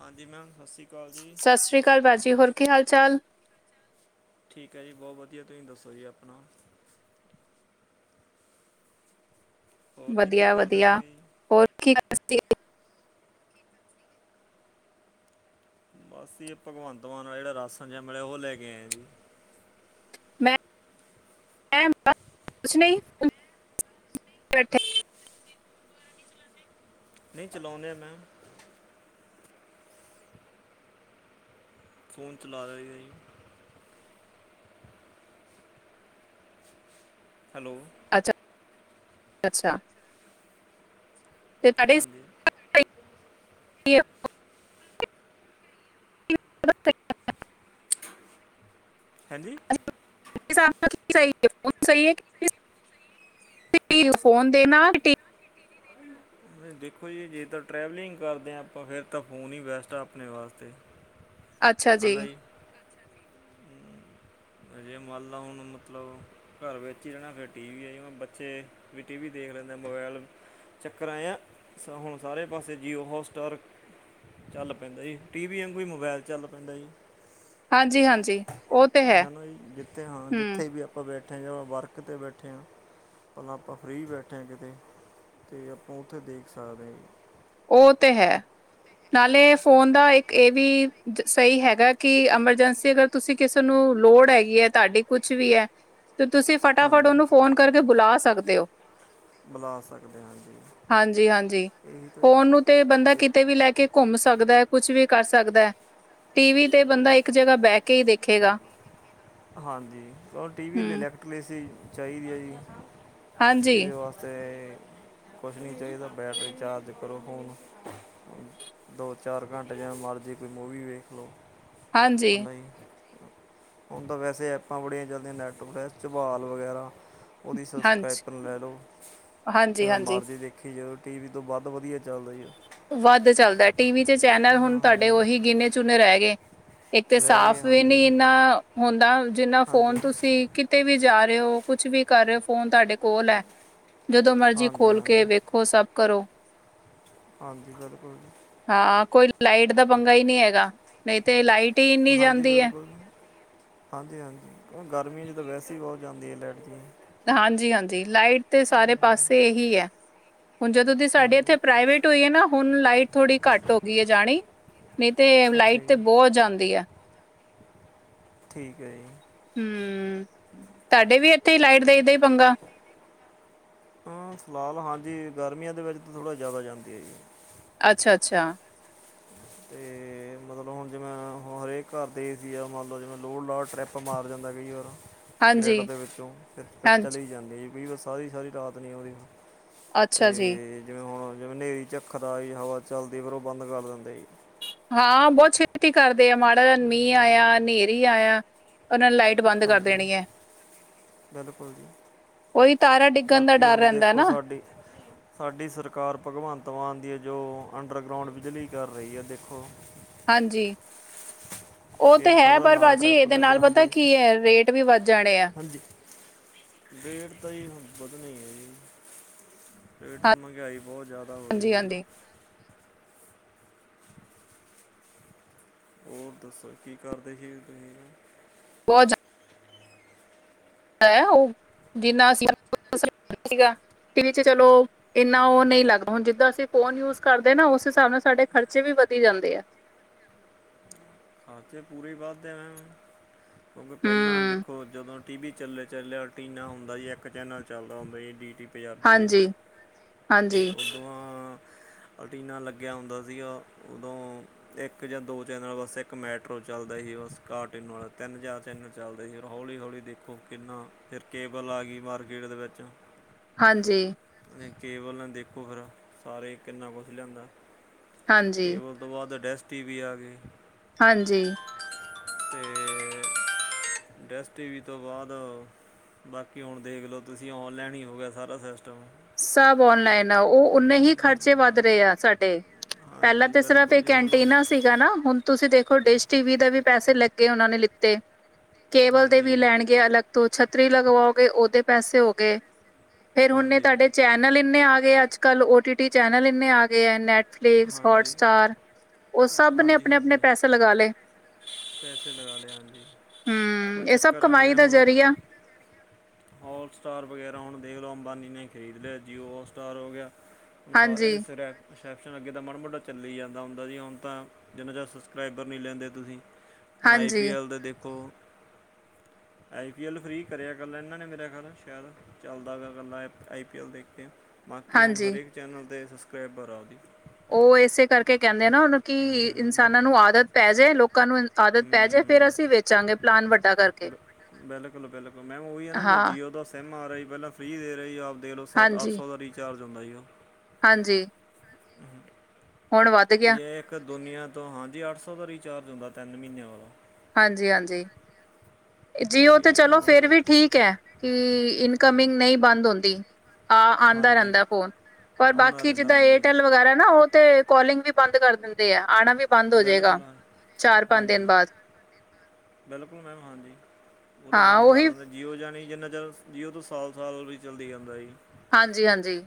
ਹਾਂਜੀ ਮੈਮ, ਅਸੀਂ ਸਤਿ ਸ੍ਰੀ ਅਕਾਲ ਭਾਜੀ, ਹੋਰ ਕੀ ਹਾਲ ਚਾਲ? ਠੀਕ ਹੈ, ਜੀ ਬਹੁਤ ਵਧੀਆ, ਤੁਸੀਂ ਦੱਸੋ ਜੀ ਆਪਣਾ? ਹੋਰ ਜੀ ਕੀ ਕਰਦੇ ਵਧੀਆ-ਵਧੀਆ, ਸੀਗੇ ਜੀ ਹੋਰ ਕੀ [unintelligible] ਅਸੀਂ, ਭਗਵੰਤ ਮਾਨ ਦਾ ਜਿਹੜਾ ਰਾਸਨ ਜਿਹਾ ਮਿਲਿਆ, ਉਹ ਲੈ ਕੇ ਆਏ ਆਂ ਜੀ। ਮੈਂ [unintelligible] ਨਹੀਂ, ਚਲਾਉਣਾ ਆ ਮੈਮ। ਫੋਨ, ਚਲਾ ਰਿਹਾ ਸੀ, ਗਾ ਜੀ। ਹੈਲੋ ਅੱਛਾ ਅੱਛਾ, ਹਾਂਜੀ [inaudible] [inaudible] ਹੈਂਜੀ? [inaudible] [unintelligible] [inaudible] ਨਹੀਂ ਦੇਖੋ ਜੀ, ਜੇ ਤਾਂ ਟਰੈਵਲਿੰਗ ਕਰਦੇ ਹਾਂ ਆਪਾਂ, ਫਿਰ ਤਾਂ ਫੋਨ ਹੀ ਬੈਸਟ ਆ, ਆਪਣੇ ਵਾਸਤੇ। ਅੱਛਾ ਜੀ। ਜੇ, ਮੰਨ ਲਉ ਹੁਣ ਮਤਲਬ। ਘਰ ਵਿੱਚ ਹੀ ਰਹਿਣਾ, ਫਿਰ ਟੀਵੀ ਆ, ਜਿਵੇਂ ਬੱਚੇ ਵੀ, ਟੀਵੀ ਦੇਖ ਲੈਂਦੇ, ਮੋਬਾਇਲ ਚੱਕਰ ਆਏਂ ਐ, ਹੁਣ ਸਾਰੇ ਪਾਸੇ ਜੀਓ ਹੋਟਸਟਾਰ ਚੱਲ ਪੈਂਦਾ ਜੀ। ਟੀਵੀ ਅਂਗੂ ਹੀ ਮੋਬਾਇਲ ਚੱਲ ਪੈਂਦਾ ਜੀ। ਹਾਂਜੀ -ਹਾਂਜੀ। ਉਹ ਤੇ ਹੈ ਹੈਨਾ ਜੀ, ਜਿੱਥੇ ਹਾਂ ਹੂੰ ਜਿੱਥੇ ਵੀ ਆਪਾਂ ਬੈਠੇ, ਆਪਾਂ ਵਰਕ ਤੇ ਬੈਠੇ ਹਾਂ, ਭਲਾ, ਆਪਾਂ ਫਰੀ ਬੈਠੇ ਹਾਂ, ਕਿਤੇ। ਅਤੇ, ਆਪਾਂ ਉੱਥੇ ਦੇਖ ਸਕਦੇ ਹੈਗੇ। ਉਹ ਤੇ ਹੈ। ਨਾਲੇ ਫੋਨ ਦਾ, ਇੱਕ ਇਹ ਵੀ ਸਹੀ ਹੈਗਾ, ਕਿ ਐਮਰਜੈਂਸੀ ਅਗਰ ਤੁਸੀਂ, ਕਿਸੇ ਨੂੰ ਲੋੜ ਹੈਗੀ ਹੈ। ਤੁਹਾਡੀ ਕੁਛ ਵੀ ਹੈ ਤੇ, ਤੁਸੀਂ ਫਟਾਫਟ, ਉਹਨੂੰ ਹਾਂਜੀ ਫੋਨ ਕਰਕੇ ਬੁਲਾ ਸਕਦੇ ਹੋ। ਬੁਲਾ, ਸਕਦੇ ਹਾਂ ਜੀ। ਹਾਂਜੀ-ਹਾਂਜੀ। ਇਹੀ ਤਾਂ ਫੋਨ ਨੂੰ, ਤੇ ਬੰਦਾ ਕਿਤੇ ਇਹ- ਵੀ ਲੈ ਕੇ ਘੁੰਮ ਸਕਦਾ ਹੈ। ਕੁਛ ਵੀ ਕਰ ਸਕਦਾ ਹੈ। ਟੀਵੀ ਤੇ, ਬੰਦਾ ਇੱਕ ਜਗ੍ਹਾ ਬਹਿ ਕੇ ਹੀ ਦੇਖੇਗਾ। ਹਾਂਜੀ, ਉਹ ਟੀਵੀ ਲਈ ਹੂੰ, ਇਲੈਕਟ੍ਰੇਸੀ ਚਾਹੀਦੀ ਹੈ ਜੀ, ਤੇ ਇਹਦੇ ਹਾਂਜੀ। ਵਾਸਤੇ ਤੇ ਕੁਛ ਨਹੀਂ ਚਾਹੀਦਾ, ਬੈਟਰੀ ਚਾਰਜ ਕਰੋ ਫੋਨ- ਦੋ -ਚਾਰ ਘੰਟੇ, ਜਿਵੇਂ ਮਰਜ਼ੀ ਕੋਈ ਮੂਵੀ ਵੇਖ ਲਓ। ਹ, ਹਾਂਜੀ, ਨਹੀ, ਹੁਣ ਤਾਂ ਵੈਸੇ ਐਪਾਂ, ਬੜੀਆਂ ਚੱਲਦੀਆਂ, ਨੈੱਟ ਫਲੈਸ, ਝਬਾਲ ਵਗੈਰਾ। ਉਹਦੀ ਹਾਂਜੀ, ਸਬਸਕ੍ਰਾਈਬਰ ਲੈ ਲਓ, ਫਿਰ ਮੈਂ ਹਾਂਜੀ-ਹਾਂਜੀ। ਮਾਰਜ਼ੀ ਦੇਖ ਦੇਖੀ ਜਦੋਂ ਟੀ ਵੀ ਤੋਂ ਵੱਧ ਵਧੀਆ ਚੱਲਦਾ ਜੀ। ਵੱਧ ਚੱਲਦਾ। ਟੀ ਵੀ ਚ ਚੈਨਲ ਹੁਣ ਹਾਂ ਤੁਹਾਡੇ ਹਾਂ, ਉਹੀ ਗਿਨੇ -ਚੁਨੇ ਰਹਿ ਗਏ। ਏਕ ਤੇ ਰਹਿ ਗਏ ਸਾਫ਼ ਵੀ ਹਾਂਜੀ ਨੀ ਇੰਨਾ ਹੋਂਦਾ, ਜਿੰਨਾ ਹਾਂਜੀ ਫੋਨ ਤੁਸੀ ਕਿੱਤੇ ਵੀ ਜਾ ਰੇਓ, ਕੁਛ ਵੀ ਕੱਰ ਰੇਓ, ਫੋਨ ਤਾਡੇ ਕੋਲ ਐ, ਜਦੋ ਮਰਜੀ ਹਾਂਜੀ ਖੋਲ ਹਾਂਜੀ ਕੇ ਵੇਖ ਉਹ ਸਭ ਕਰੋ ਹਾਂਜੀ, ਬਿਲਕੁਲ। ਹਾਂ, ਕੋਈ ਲਾਈਟ ਦਾ ਪੰਗਾ ਈ ਨੀ ਹੈਗਾ, ਨਈ ਤੇ ਲਾਈਟ ਈ ਇੰਨੀ ਹਾਂਜੀ ਜਾਂਦੀ ਐ। ਬਿਲਕੁਲ ਜੀ। ਹਾਂਜੀ, ਹਾਂਜੀ, ਹੁਨ ਗਰਮੀ ਚ ਤਾ ਵੈਸੇ ਈ ਬੋਤ ਜਾਂਦੀ ਏ ਲਾਈਟ ਜੀ। ਹਾਂਜੀ, ਹਾਂਜੀ ਲਾਈਟ ਤੇ ਸਾਰੇ ਪਾਸੇ ਏਹੀ ਹੈ, ਹੁਨ ਜਦੋ ਦੀ ਸਾਡੇ ਹਾਂਜੀ ਇੱਥੇ ਪ੍ਰਾਈਵੇਟ ਹੋਈ ਹੈ ਨਾ ਹੁਣ ਲਾਈਟ ਥੋੜੀ ਘੱਟ ਹੋ ਗਈ ਹੈ ਜਾਣੀ। ਨਹੀਂ ਤੇ ਅੱਛਾ ਲਾਈਟ ਤੇ ਜੀ ਬਹੁਤ ਜਾਂਦੀ ਹੈ। ਠੀਕ ਹੈ ਜੀ। ਹਮਮ! ਤੁਹਾਡੇ ਵੀ ਇੱਥੇ ਹੀ ਲਾਈਟ ਦਾ ਇੱਦਾ ਹੀ ਪੰਗਾ? ਹੂ! ਫਿਲਹਾਲ ਹਾਂਜੀ ਗਰਮੀਆਂ ਦੇ ਵਿੱਚ ਤਾਂ ਥੋੜ੍ਹਾ ਜ਼ਿਆਦਾ ਜਾਂਦੀ ਹੈ ਜੀ। ਅੱਛਾ- ਅੱਛਾ। ਤੇ ਮਤਲਬ ਹੁਣ ਜਿਵੇਂ ਹਰੇਕ ਘਰ ਦੇ ਏ ਸੀ ਆ। ਮੰਨ ਲਓ ਜਿਵੇਂ ਲੋੜ -ਲਾੜ ਟਰੈਪ ਮਾਰ ਜਾਂਦਾ ਕਈ ਵਾਰ ਗ੍ਰੇਟਰ ਦੇ ਹਾਂਜੀ-ਹਾਂਜੀ ਵਿੱਚੋਂ, ਫਿਰ ਚਲੀ ਜਾਂਦੀ ਹੈ ਕਈ ਵਾਰ ਸਾਰੀ- ਸਾਰੀ ਰਾਤ ਨਹੀਂ ਆਉਂਦੀ। ਤੇ ਅੱਛਾ ਜੀ ਜਿਵੇਂ ਹੁਣ ਜਿਵੇਂ ਹਨੇਰੀ-ਝੱਖਰ ਜ ਹਵਾ ਚਲਦੀ ਫੇਰ ਉਹ ਬੰਦ ਕਰ ਦਿੰਦੇ ਜੀ ਹਾਂ, ਬਹੁਤ ਛੇਤੀ ਕਰਦੇ ਆ ਮਾੜਾ ਮੀਂਹ ਆਇਆ ਹਨੇਰੀ ਆਇਆ ਉਹਨਾਂ ਲਾਈਟ ਬੰਦ ਕਰ ਹਾਂਜੀ ਦੇਣੀ ਹੈ। ਬਿਲਕੁਲ ਜੀ ਉਹੀ ਤਾਰਾ ਡਿੱਗਣ ਦਾ ਬਾਕੀ ਡਰ ਹੁਣ ਰਹਿੰਦਾ ਦੇਖੋ ਨਾ ਸਾਡੀ- ਸਾਡੀ ਸਰਕਾਰ ਭਗਵੰਤ ਮਾਨ ਦੀ ਜੋ ਅੰਡਰਗਰਾਊਂਡ ਬਿਜਲੀ ਕਰ ਰਹੀ ਹੈ ਦੇਖੋ। ਹਾਂਜੀ। ਓ ਤੇ ਫੇਰ ਹੈ ਖਬਰ ਪਰ ਨਾ ਪਾਜੀ ਟ੍ਰੈਪ ਏਦੇ ਨਾਲ ਲੱਗਣਾ ਪਤਾ ਜੇ ਕੀ ਐ, ਰੇਟ ਵੀ ਵੱਧ ਜਾਨੇ ਐ। ਹਾਂਜੀ ਰੇਟ ਤਾ ਈ ਹੁਨ ਵਧਨੇ ਹੈ ਜੀ। ਰੇਟ ਤੋ ਮਹਿੰਗਾਈ ਬਹੁਤ ਜਿਆਦਾ ਹੋ ਰਹੀ। ਹਾਂਜੀ-ਹਾਂਜੀ ਔਰ ਦੱਸੋ ਕੀ ਕਾਰਦੇ ਹੀ ਤੁਹੀਂ? [unintelligible] ਦਾ [inaudible] ਤੇ ਨੀਚੇ ਚਲੋ ਏਨਾ ਓ ਨੀ ਲੱਗਦਾ, ਹੁਨ ਜਿੱਦਾ ਅਸੀ ਫੋਨ ਯੂਜ ਕਾਰਦੇ ਨਾ, ਓਸ ਹਿਸਾਬ ਨਾਲ ਸਾਡੇ ਖਰਚੇ ਵੀ ਵਧੀ ਜਾਂਦੇ ਐ। ਹ ਤੇ ਪੂਰੇ ਈ ਵੱਧਦੇ ਐਨਾ ਨੂੰ ਕਿਓਕਿ ਪੈਲਾਂ ਹੂੰ ਦੇਖੋ ਜਦੋਂ ਟੀ ਵੀ ਚੱਲੇ, ਚੱਲਦਾ ਐਂਟੀਨਾ ਹੁੰਦਾ ਹੀ, ਏਕ ਚੈਨਲ ਚੱਲਦਾ ਹੁੰਦਾ ਹੀ, ਡੀ ਟੀ ਪੰਜਾਬੀ, ਹਾਂਜੀ ਹਾਂਜੀ ਤੇ ਓੱਦੋ ਆਂ ਅਟੀਨਾ ਲੱਗਯਾ ਹੁੰਦਾ ਸੀਗਾ ਉਦੋਂ ਏਕ ਜਾ ਦੋ ਚੈਨਲ ਵਾਸਤੇ। ਇੱਕ ਮੈਟਰੋ ਚੱਲਦਾ ਸੀ ਬੱਸ ਕਾਰਟੂਨ ਵਾਲਾ, ਤੇੱਨ-ਚਾਰ ਚੈਨਲ ਚੱਲਦੇ ਸੀ ਫੇਰ ਹੋਲੀ, ਹੋਲੀ ਦੇਖੋ ਕਿੰਨਾ ਫੇਰ ਕੇਵਲ ਆ ਗੀ ਮਾਰਕੀਟ ਦੇ ਵਿੱਚ ਹਾਂਜੀ। ਕੇਵਲ ਨੇ ਦੇਖੋ ਫੇਰ ਸਾਰੇ ਕਿੰਨਾ ਕੋਛ ਲਯਾਂਦਾ, ਹਾਂਜੀ ਕੇਵਲ ਓਸ ਤੋਂ ਬਾਅਦ ਡਿਸ਼ ਟੀਵੀ ਆ ਗੇ ਹਾਂਜੀ। ਤੇ ਡਿਸ਼ ਟੀਵੀ ਤੋ ਬਾਦ ਬਾਕੀ ਹੁਨ ਦੇਖ ਲੋ ਤੁਸੀ, ਔਨਲਾਈਨ ਈ ਹੋ ਗਿਆ ਸਾਰਾ ਸਿਸਟਮ ਸਬ ਔਨਲਾਈਨ ਆ ਓ ਓਨੇ ਹੀ ਖਰਚੇ ਵੱਧ ਰਏ ਆ ਸਾਡੇ ਪੈਲਾ ਹਾਂਜੀ ਤਾ ਸਿਰਫ਼ ਬਿਲਕੁਲ ਜੀ ਏਕ ਹੁਣ ਐਂਟੀਨਾ ਸੀ। ਸੀਗਾ ਨਾ ਹੁਨ ਤੁਸੀ ਦੇਖੋ ਡਿਸ਼ ਟੀ ਵੀ ਦੇ ਵੀ ਪੈਸੇ ਲੱਗੇ, ਓਨਾਂ ਨੇ ਲਿੱਤੇ ਕੇਬਲ ਦੇ ਹਾਂਜੀ ਵੀ ਲੈਣ ਗੇ ਅਲੱਗ ਤੋ, ਛੱਤਰੀ ਲਗਵਾਓਗੇ ਓਦੇ ਪੈਸੇ ਹੋਗੇ। ਫਿਰ ਉਨੇ ਏ ਹਾਂਜੀ ਤਵਾਡੇ ਚੈਨਲ ਇੰਨੇ ਆ ਗੇ ਐ ਅੱਜ-ਕੱਲ, ਓ ਟੀ ਟੀ ਚੈਨਲ ਇਨੇ ਆ ਗੇ ਐ ਨੈ ਫਲੇਕਸ, ਹਾਂਜੀ ਹੋਟਸਟਾਰ ਓ ਅ- ਸਬ ਨੇ ਹਾਂਜੀ ਅਪਨੇ-ਅਪਨੇ ਹਾਂਜੀ ਪੈਸੇ ਲਗਾ ਲੇ ਪੈਸੇ ਲਗਾਲੇ, ਹਾਂਜੀ, ਕੋਈ ਹਮ ਇਹ ਸਭ ਚੱਕਰ ਆਏਂ ਕਮਾਈ ਐ ਦਾ ਹੁਣ ਜ਼ਰੀਆ ਹੋਰਸਟਾਰ ਵਗੈਰਾ ਹੁਨ ਦੇਖ ਲੋ ਅੰਬਾਨੀ ਨੇ ਖ਼ਰੀਦ ਲਿਆ, ਜੀਓ ਹੋਟਸਟਾਰ ਹੋਗਿਆ ਹੁਨ ਸਾਰੇਯਾਂ ਹਾਂਜੀ ਦੇ [unintelligible] ਰਿਸੈਪਸ਼ਨ ਅੱਗੇ ਤਾ ਮਾੜਾ ਮੋਟਾ ਚੱਲੀ ਜਾਂਦਾ ਹੁੰਦਾ ਜੀ, ਹੁਨ ਤਾਂ। ਜਿੰਨਾ ਚਿਰ ਸਬਸਕ੍ਰਾਈਬਰ ਨਹੀਂ ਲੈਂਦੇ ਤੁਸੀਂ ਹੁਣ ਆਈ ਹਾਂਜੀ ਪੀ ਐੱਲ ਦੇ ਦੇਖੋ, ਆਈ ਪੀ ਐਲ ਫ੍ਰੀ ਕਰਿਆ ਕਰ ਲੈਨਾ ਮੇਰਾ ਖਿਆਲ ਸ਼ਹਿਰ ਚੱਲਦਾ ਪਿਆ ਇਕੱਲਾ ਆਈ ਪੀ ਐਲ ਦੇਖਦੇ ਹ ਬਾਕੀ ਹੁਣ ਹਾਂਜੀ ਹਰੇਕ ਚੈਨਲ 'ਤੇ ਸਬਸਕ੍ਰਾਈਬਰ ਆ ਔਦੀ ਉਹ ਇਸੇ ਕਰਕੇ ਕਹਿੰਦੇ ਨਾ ਉਹਨੂੰ ਕਿ ਹਮ, ਇਨਸਾਨਾਂ ਨੂੰ ਆਦਤ ਪੈ ਜਾਏ ਲੋਕਾਂ ਨੂੰ ਆਦਤ ਪੈਜੇ ਫੇਰ ਹਮ, ਅਸੀਂ ਵੇਚਾਂਗੇ ਪਲਾਨ ਵੱਡਾ ਕਰਕੇ ਬਿਲਕੁਲ-ਬਿਲਕੁਲ ਮੈ ਉਹੀ ਹੈ ਨਾ ਜੋ ਹਾਂ ਜੀਓ ਦਾ ਸਮ ਆ ਰਿਹਾ ਜੀ ਪਹਿਲਾਂ ਫਰੀ ਦੇ ਰਹੇ ਜੀ ਆਪ ਦੇ ਲਓ, ਸੱਤ ਅੱਠ ਹਾਂਜੀ ਸੌ ਦਾ ਰੀਚਾਰਜ ਹੁੰਦਾ ਜੀ ਉਹ ਹਾਂਜੀ। ਹੁਣ [unintelligible] ਕਿ ਏ ਏਕ ਦੁਨੀਆ ਤੋ ਹਾਂਜੀ, ਅੱਠ ਸੌ ਦਾ ਰੀਚਾਰਜ ਹੁੰਦਾ ਤੇੈਨ ਮਹੀਨਿਆਂ ਵਾਲਾ। ਹਾਂਜੀ, ਹਾਂਜੀ। ਜੀ ਤੇ ਓ ਤਾ ਚਲੋ ਉਹ ਫੇਰ ਵੀ ਇਹ- ਠੀਕ ਐ ਕਿ ਇਨਕਮਿੰਗ ਨਈ ਹਾਂ- ਬੰਦ ਹੁੰਦੀ। ਆ ਆਂਦਾ ਹਾਂਜੀ ਰੈਂਦੈ ਫੋਨ ਪਰ ਆਉਂਦਾ ਬਾਕੀ ਰਹਿੰਦਾ ਜਿੱਦਾ ਹਾਂਜੀ ਏਅਰਟੈਲ ਵਗੈਰਾ ਨਾ ਓ ਤੇ ਕੋਲਿੰਗ ਵੀ ਬੰਦ ਕਰ ਦਿੰਦੇ ਐ ਆਨਾ ਵੀ ਬੰਦ ਹੋਜੇਗਾ, ਬਿਲਕੁਲ ਹਾਂ- ਚਾਰ-ਪੰਜ ਹਾਂਜੀ ਦਿਨ ਬਾਦ ਬਿਲਕੁਲ ਮੈਮ, ਹਾਂਜੀ, ਓ ਤਾ ਹਾਂ ਬੰਦ ਕਰ ਉਹੀ ਦਿੰਦੇ। ਜੀਓ ਜਾਨੀ, ਜਿੰਨਾ [unintelligible] ਜੀਓ ਤੋ ਸਾਲ-ਸਾਲ ਵੀ ਚੱਲੀ ਜਾਂਦਾ ਜੀ। ਹਾਂਜੀ, ਹਾਂਜੀ।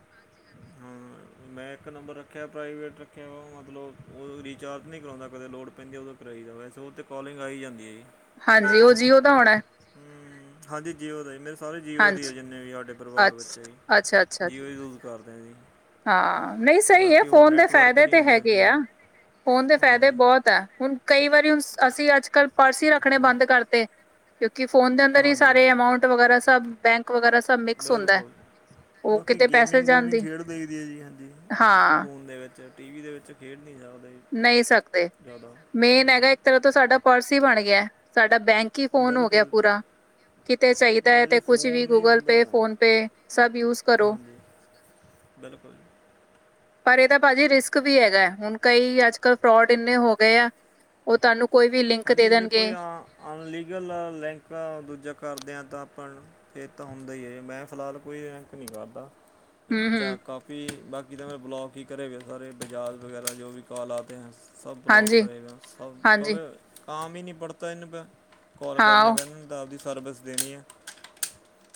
ਹੂੰ। ਮੈਂ ਏਕ ਨੰਬਰ ਰੱਖਯਾ, ਪ੍ਰਾਈਵੇਟ ਰੱਖਿਆ ਮਤਲਬ ਓ ਓ ਰਿਚਾਰਜ ਨੀ ਕਰਾਓਦਾ ਕਦੇ, ਲੋੜ ਪੈਂਦੀ ਓਦੋ [unintelligible] ਰਈਦਾ ਵੈਸੇ ਉਦੇ ਤੇ ਕੋਲਿੰਗ ਆ ਈ ਜਾਂਦੀ ਐ ਜੀ। ਹਾਂਜੀ, ਓ ਜੀਓ ਦਾ ਹੋਣਾ। ਹੂੰ, ਹਾਂਜੀ ਜੀਓ ਦਾ, ਮੇਰੇ ਸਾਰੇ ਜੀਓ ਦੀ ਆ ਹਾਂਜੀ ਜਿੰਨੇ ਵੀ ਸਾਡੇ ਪਰਿਵਾਰ ਵਿੱਚ ਜੀ ਅੱਛਾ ਅੱਛਾ ਅੱਛਾ ਜੀਓ ਜੀ। ਹੀ ਯੂਜ ਕਰਦੇ ਆ ਜੀ ਹਾਂ ਨਹੀਂ ਸਹੀ ਹੈ ਬਾਕੀ ਹੋਰ ਫੋਨ ਦੇ ਨੈਟਵਰਕ ਫਾਇਦੇ ਨਹੀਂ ਤੇ ਹੁੰਦਾ ਹੈਗੇ ਜੀ ਆ ਫੋਨ ਦੇ ਫਾਇਦੇ ਹਾਂਜੀ ਬਹੁਤ ਬਹੁਤ ਹੈ, ਹੁਣ ਕਈ ਵਾਰੀ ਹੁਣ ਅਸੀਂ ਅੱਜ-ਕੱਲ ਪਰਸ ਹੀ ਰੱਖਣੇ ਬੰਦ ਬਸ- ਕਰਤੇ ਕਿਉਂਕਿ ਫੋਨ ਦੇ ਅੰਦਰ ਹੀ ਹਾਂਜੀ ਸਾਰੇ ਅਮਾਊਂਟ ਵਗੈਰਾ ਸਭ ਬੈਂਕ ਵਗੈਰਾ ਸਭ ਮਿਕਸ ਹੁੰਦਾ ਹੈ। ਬਿਲਕੁਲ ਉਹ ਬਾਕੀ ਕਿਤੇ ਪੈਸੇ ਗੇਮਿੰਗ ਗੂਮਿੰਗ ਜਾਂਦੀ ਖੇਡਦੇ ਹੀ ਦੀ ਹੈ ਜੀ ਹਾਂਜੀ ਹਾਂ ਫ਼ੋਨ ਦੇ ਵਿੱਚ ਟੀ ਵੀ ਦੇ ਵਿੱਚ ਖੇਡ ਨਹੀਂ ਸਕਦੇ ਨਹੀਂ ਸਕਦੇ ਜ਼ਿਆਦਾ ਮੇਨ ਹੈਗਾ, ਹਮ, ਇੱਕ ਤਰ੍ਹਾਂ ਤੋਂ ਸਾਡਾ ਪਰਸ ਈ ਬਣ ਗਿਆ ਸਾਡਾ ਬੈਂਕ ਕੀ ਫੋਨ ਹੋ ਗਿਆ ਬਿਲਕੁਲ ਪੂਰਾ ਕਿਤੇ ਚਾਹੀਦਾ ਹੈ, ਅਤੇ ਵੈਸੇ ਕੁਛ ਫੋਨ ਵੀ ਨਹੀਂ ਗੂਗਲ ਹੁੰਦਾ ਪੇ ਫੋਨ ਪੇ ਸਭ ਯੂਜ ਕਰੋ ਹਾਂਜੀ ਬਿਲਕੁਲ ਪਰ ਇਹਦਾ ਭਾਜੀ ਰਿਸਕ ਵੀ ਹੈਗਾ, ਹੁਣ ਕਈ ਅੱਜ-ਕੱਲ੍ਹ ਫਰੋਡ ਇੰਨੇ ਹੋ ਗਏ ਆ ਉਹ ਤੁਹਾਨੂੰ ਕੋਈ ਵੀ ਲਿੰਕ ਦੇ ਹਾਂਜੀ ਜੇ ਕੋਈ ਦੇਣਗੇ ਅਨਲੀਗਲ ਲੈਂਕ ਦੂਜਾ ਕਰਦਿਆਂ ਤਾਂ ਆਪਾਂ ਇਹ ਤਾਂ ਹੁੰਦਾ ਹੀ ਹੈੇ, ਮੈਂ ਫਿਲਹਾਲ ਕੋਈ ਲਿਂਕ ਨੀ ਕਰਦਾ ਹੂੰ ਚਾ ਹੂੰ ਕਾਫੀ ਬਾਕੀ ਤਾਂ ਮ ਬਲੋਕ ਹੀ ਕਰੇ, ਸਾਰੇ ਬਜਾਜ ਵਗੈਰਾ ਜੋ ਵੀ ਕਾਲ ਆਤੇ ਹੈ ਸਭ ਬਲੋਕ ਹਾਂਜੀ ਕਰੇਗਾ, ਸਭ ਹਾਂਜੀ ਕਿਉਂਕਿ ਕਾਮ ਹੀ ਨਹੀਂ ਪੜਤਾ ਇਨਕਾ ਕੋਲ ਕਰਨ ਹਾਂ ਪਹਿਦੇ ਤਾਂ ਆਪਦੀ ਸਰਵਿਸ ਦੇਣੀ ਹੈ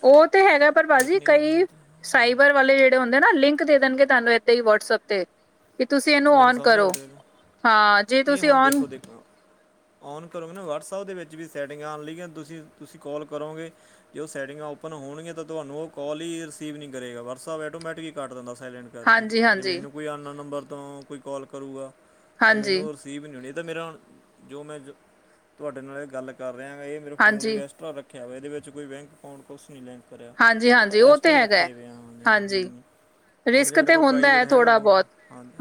ਉਹ ਤੇ ਹੈਗਾ ਪਰ ਭਾਜੀ ਕਈ ਸਾਈਬਰ ਵਾਲੇ ਜਿਹੜੇ ਜ ਹੁੰਦੇ ਨਾ ਲਿੰਕ ਦੇ ਦੇਣਗੇ, ਤੁਹਾਨੂੰ ਏਦਾਂ ਹੀ ਵਟਸਐਪ ਤੇ ਕਿ ਤੁਸੀਂ ਇਹਨੂੰ ਔਨ ਕਰੋ ਹਾਂ ਜੇ ਤੁਸੀਂ ਔਨ ਔਨ ਕਰੋਗੇ ਨਾ ਵਟਸਐਪ ਦੇ ਵਿੱਚ ਵੀ ਸੈਟਿੰਗ ਆਉਣ ਲਈਗ ਤੁਸੀਂ-ਤੁਸੀਂ ਕੋਲ ਕਰੋਗੇ ਜੇ ਉਹ ਸੈਟਿੰਗ ਓਪਰ ਹੋਣੀਗੀਆਂ, ਤਾਂ ਤੁਹਾਨੂੰ ਉਹ ਕੋਲ ਹੀ ਰਿਸੀਵ ਨਹੀਂ ਕਰੇਗਾ ਵਟਸਐਪ ਐਟੋਮੈਟਿਕ ਹੀ ਕੱਟ ਦਿੰਦਾ ਸਾਇਲੈਂਟ ਕਰਕੇ ਹਾਂਜੀ ਜੇ ਹਾਂਜੀ ਮੈਨੂੰ ਕੋਈ ਅਨ ਨੋਟ ਨੰਬਰ ਤੋਂ ਕੋਈ ਕੋਾਲ ਕਰੇਗਾ ਤਾਂ ਹਾਂਜੀ, ਮੈਨੂੰ ਰਸੀਬ ਨੀ ਤਾਂ ਮੇਰਾ ਜੋ ਮੈਂ ਜੋ ਤੁਹਾਡੇ ਨਾਲ ਗੱਲ ਕਰ ਰਿਹਾ ਆ ਇਹ ਮੇਰਾ ਫੋਨ ਹਾਂਜੀ, ਇਕਸਟਰਾ ਰੱਖਿਆ ਵਾ ਇਹਦੇ ਵਿੱਚ ਕੋਈ ਬੈਂਕ ਅਕਾਊਂਟ ਕੁਛ ਨੀ ਬੈਂਕ ਕਰਿਆ ਹਾਂਜੀ, ਆਪਾਂ ਹਾਂਜੀ ਉਹ ਇਕਸਟਰਾ੍ ਤੇ ਹਾਂ ਹੀ ਹੈਗਾ ਹੈ। ਰੱਖੇ ਪਏ ਹ ਹਾਂਜੀ ਹੁਣ ਜੇ ਰਿਸਕ ਮੇਰੇ ਤੇ ਕੋਲ ਹੁੰਦਾ ਪ੍ਰਾਈਵੇਟ ਹੈ ਹੈਗਾ ਥੋੜਾ ਫੋਨ ਬਹੁਤ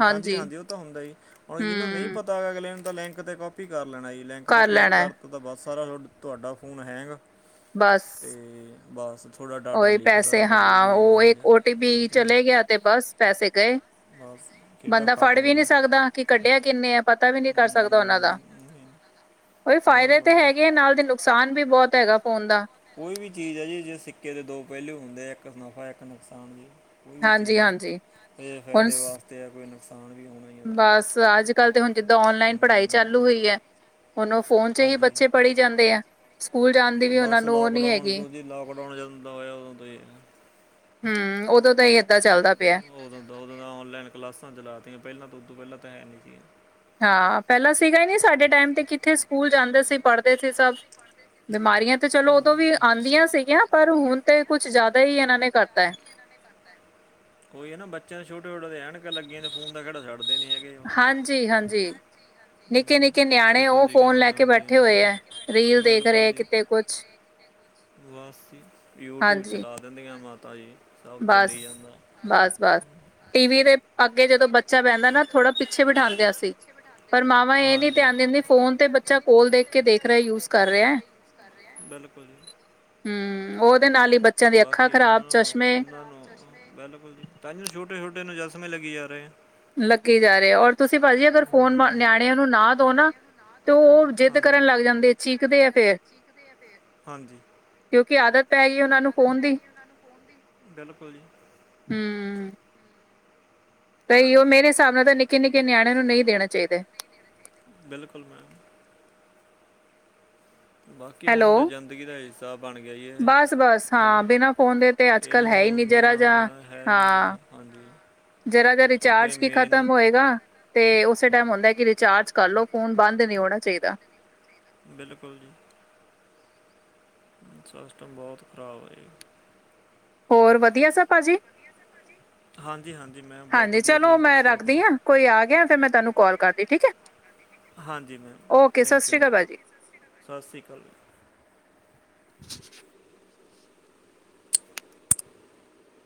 ਹਾਂਜੀ ਉਹ ਤਾਂ ਹੁੰਦਾ ਜੀ ਹੁਣ ਜਿਹਨੂੰ ਨਹੀਂ ਹੂੰ ਪਤਾ ਹੈ ਅਗਲੇ ਨੇ ਤਾਂ ਬੈਂਕ 'ਤੇ ਕਾਪੀ ਕਰ ਲੈਣਾ ਜੀ ਲਿੰਕ 'ਤੇ ਕਰ ਕਲਿੱਕ ਲੈਣਾ ਹੈ ਕਰਤਾ ਤਾਂ ਬਸ ਸਾਰਾ ਤੁਹਾਡਾ ਫ਼ੋਨ ਹੈਂਗ ਬਸ ਤੇ ਬਸ ਥੋੜ੍ਹਾ ਡਾਟਾ ਉਹੀ ਲੀਕ ਸਾਰਾ ਪੈਸੇ ਕੁਝ ਜੋ ਹਾਂ ਵੀ ਹੋ ਉਹ ਹਾਂਝ ਇੱਕ ਓ ਟੀ ਪੀ ਚਲੇ ਗਿਆ ਤੇ ਬਸ ਪੈਸੇ ਗਏ ਬਸ ਕਿੱਡਾ ਬੰਦਾ ਫੜ ਖਤਮ ਵੀ ਜੀ ਨਹੀਂ ਸਕਦਾ ਕਿ ਕੱਢਿਆ ਕਿੰਨੇ ਆ ਪਤਾ ਵੀ ਨਹੀਂ ਕਰ ਸਕਦਾ ਹਮ, ਉਹਨਾਂ ਦਾ ਨਹੀਂ, ਉਹ ਫ਼ਾਇਦੇ ਤੇ ਬਿਲਕੁਲ ਹੈਗੇ ਜੀ ਆ ਨਾਲ ਦੀ ਨੁਕਸਾਨ ਵੀ ਬਹੁਤ ਹੈਗਾ ਫੋਨ ਦਾ ਕੋਈ ਵੀ ਚੀਜ਼ ਹੈ ਜੀ ਜੇ ਸਿੱਕੇ ਦੇ ਦੋ ਪਹਿਲੂ ਹੁੰਦੇ ਆ ਇੱਕ ਨੱਫ਼ਾ ਇੱਕ ਨੁਕਸਾਨ ਜੀ ਕੋਈ ਵੀ ਹਾਂਜੀ, ਚੀਜ਼ ਆ ਹਾਂਜੀ ਇਹ ਹੁਣ ਫਾਇਦੇ ਸ ਵਾਸਤੇ ਆ ਕੋਈ ਨੁਕਸਾਨ ਵੀ ਹੋਣਾ ਹੀ ਉਹਦਾ ਬਸ ਅੱਜ ਕੱਲ੍ਹ ਤੇ ਹੁਣ ਜਿੱਦਾਂ ਔਨਲਾਈਨ ਪੜ੍ਹਾਈ ਹਮ, ਚਾਲੂ ਹੋਈ ਹੈ। ਹੋਨ ਓ ਫੋਨ ਚ ਹੀ ਹਾਂਜੀ ਬੱਚੇ ਪੜ੍ਹੀ ਜਾਂਦੇ ਆ ਸਕੂਲ ਜਾਨ ਬਸ ਲੋਕਡਾਊਨ ਤੋਂ ਜੀ ਲੋਕਡਾਊਨ ਜਦੋਂ ਤੋਂ ਹੋਇਆ ਉਦੋਂ ਤੋਂ ਹੀ ਹਮ ਉਦੋਂ ਤੋਂ ਦਾ ਹੀ ਏਦਾਂ ਚੱਲਦਾ ਪਿਆ ਉਦੋਂ ਦਾ ਉਦੋਂ ਦਾ ਔਨਲਾਈਨ ਕਲਾਸਾਂ ਚਲਾਤੀਆਂ ਪਹਿਲਾਂ ਤਾਂ ਉਦੋਂ ਪਹਿਲਾਂ ਤਾਂ ਹੈ ਨੀ ਸੀ ਆਂ ਹਾਂ। ਪਹਿਲਾਂ ਸੀਗਾ ਹੀ ਨਹੀਂ ਸਾਡੇ ਟਾਈਮ ਤੇ ਕਿੱਥੇ ਸਕੂਲ ਜਾਂਦੇ ਸੀ ਪੜ੍ਹਦੇ ਸੀ ਸਭ ਬਿਮਾਰੀਆਂ ਤੇ ਚਲੋ ਉਦੋਂ ਵੀ ਹਾਂਜੀ ਆਉਂਦੀਆਂ ਸੀਗੀਆਂ ਪਰ ਹੁਣ ਤੇ ਕੁਛ ਜ਼ਿਆਦਾ ਹੀ ਇਹਨਾਂ ਨੇ ਕਰਤਾ ਹੈ ਕੋਈ ਹੈ ਨਾ ਬੱਚਿਆਂ ਛੋਟੇ ਛੋਟੇ ਐਨਕਾ ਲੱਗੀਆਂ ਨੇ ਫੋਨ ਦਾ ਖੇੜਾ ਛੱਡਦੇ ਨਹੀਂ ਹੈਗੇ, ਉਹ। ਹਾਂਜੀ- ਹਾਂਜੀ। ਨਿੱਕੇ- ਹਮ, ਨਿੱਕੇ ਤੇ ਨਿਆਣੇ ਉਹ ਤੁਸੀਂ ਫੋਨ ਕਿਉਂ ਲੈ ਕੇ ਹਾਂਜੀ ਬੈਠੇ ਹਾਂ। ਹੋਏ ਹੈ। ਰੀਲ ਦੇਖ ਰਹੇ ਬਿਲਕੁਲ ਹੈ ਜੀ ਕਿਤੇ ਕੁਛ। ਬਸ ਜੀ ਯੂਟਿਊਬ ਹਾਂਜੀ ਚਲਾ ਦਿੰਦੇ ਆ ਮਾਤਾ ਜੀ, ਸਭ ਚੱਲੀ ਜਾਂਦਾ। ਬਸ- ਬਸ। ਟੀ ਵੀ ਦੇ ਅੱਗੇ ਜਦੋਂ ਬੱਚਾ ਬਹਿੰਦਾ ਨਾ ਥੋੜਾ ਪਿੱਛੇ ਬਿਠਾਉਦੇ ਸੀ, ਪਰ ਮਾਵਾਂ ਇਹ ਨੀ ਧਿਆਨ ਦਿੰਦੀ ਇਹ ਨੀ ਫੋਨ ਤੇ ਧਿਆਨ ਬੱਚਾ ਦਿੰਦੇ ਕੋਲ ਫੋਨ ਦੇਖ ਤੇ ਕੇ ਬੱਚਾ ਰਿਹਾ ਕੋਲ ਯੂਜ ਦੇਖ ਕੇ ਕਰ ਦੇਖ ਰਿਹਾ। ਕੀ ਕੁਝ ਕਰ ਰਿਹਾ, ਬਿਲਕੁਲ। ਹੂੰ ਉਹਦੇ ਨਾਲ ਹੀ ਬੱਚ ਬਾਕੀ ਇਹਨਾਂ ਨੂੰ ਉਹਨਾਂ ਨੂੰ ਬਿਲਕੁਲ ਜੀ ਤਾਇਓ ਛੋਟੇ- ਛੋਟੇ ਚਸਮੇ ਲੱਗੀ ਜਾ ਰਹੇ ਆ। ਲੱਗੀ ਜਾ ਰਹੇ ਔਰ ਤੁਸੀਂ ਭਾਜੀ ਅਗਰ ਫੋਨ ਨਿਆਣਿਆਂ ਨੂੰ ਨਾ ਦਿਓ ਨਾ ਤੇ ਉਹ ਜਿੱਦ ਹਾਂਜੀ ਕਰਨ ਲੱਗ ਜਾਂਦੇ ਚੀਕਦੇ ਆ ਫੇਰ। ਹਾਂਜੀ। ਕਿਉਕਿ ਆਦਤ ਪੈ ਗਈ ਉਹਨਾਂ ਕਿਉਕਿ ਨੂੰ ਆਦਤ ਫੋਨ ਪੈ ਦੀ ਗਈ ਉਹਨਾ ਨੂੰ ਫੋਨ ਦੀ, ਬਿਲਕੁਲ ਜੀ। ਹੂੰ। ਤਾਂਈ ਉਹ ਮੇਰੇ ਹਿਸਾਬ ਨਾਲ ਤਾਂ ਨਿੱਕੇ-ਨਿੱਕੇ ਨਿਆਣਿਆਂ ਨੂੰ ਨਹੀਂ ਦੇਣੇ ਚਾਹੀਦੇ। ਬਿਲਕੁਲ ਮੈਮ ਬਾਕੀ ਹੁਣ ਹੈਲੋ ਤਾਂ ਜ਼ਿੰਦਗੀ ਦਾ ਹਿ ਤਾ ਬਣ ਗਿਆ ਜੀ ਬਸ ਬਸ ਹੈਲੋ ਹਾਂ ਬਿਨਾਂ ਫੋਨ ਦੇ ਤੇ ਅੱਜ ਕੱਲ ਹੈ ਹੀ ਨੀ ਇਹਨੂੰ ਜਰਾ ਬਿਨਾਂ ਜਾ ਬਿਨਾਂ ਹੈ ਨਹੀਂ ਹਾਂ ਕੁਝ ਹਾਂਜੀ। ਜਰਾ ਜ ਕਿਉਂਕਿ ਰਿਚਾਰਜ ਕੀ ਮੇਨ ਖ਼ਤਮ ਹੋਏਗਾ, ਤੇ ਉਸੇ ਟਾਈਮ ਹੁੰਦਾ ਕਿ ਰਿਚਾਰਜ ਕਰ ਲੋ ਫੋਨ ਬੰਦ ਨਹੀਂ ਹੋਣਾ ਚਾਹੀਦਾ। ਬਿਲਕੁਲ ਜੀ। ਸਿਸਟਮ ਬਹੁਤ ਖ਼ਰਾਬ ਹੈ। ਹੋਰ ਵਧੀਆ ਸਭ ਭਾਜੀ। [inaudible] ਹਾਂਜੀ- ਹਾਂਜੀ ਮੈਮ ਬਹੁਤ ਹਾਂਜੀ ਵਧੀਆ ਚਲੋ ਤੁਸੀਂ ਮੈਂ ਦੱਸੋ ਰੱਖਦੀ ਆਪਨਾ ਹਾਂ ਕੋਈ ਆ ਗਿਆ ਫਿਰ ਮੈਂ ਤੁਹਾਨੂੰ ਕਾਲ ਕਰਦੀ ਠੀਕ ਹੈ ਹਾਂਜੀ ਮੈਮ ਓਕੇ ਸਤਿ ਥੈਂਕ ਯੂ ਸ਼੍ਰੀ ਅਕਾਲ ਮੈਮ, ਭਾਜੀ 'ਸਤਿ ਸ਼੍ਰੀ ਅਕਾਲ ਜੀ'